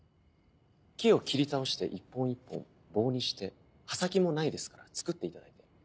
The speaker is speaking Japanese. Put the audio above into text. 木を切り倒して一本一本棒にして刃先もないですから作っていただいて。